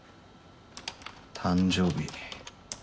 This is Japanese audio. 誕生日。